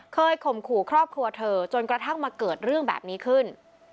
ข่มขู่ครอบครัวเธอจนกระทั่งมาเกิดเรื่องแบบนี้ขึ้น